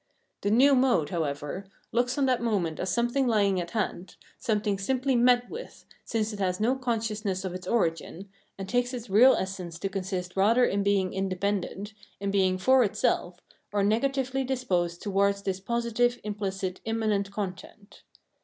The new mode, however, looks on that moment as something lying at hand, something simply met with, since it has no consciousness of its origin, and takes its real essence to consist rather in being independent, in being for itself, or negatively disposed towards this positive, implicit, immanent content.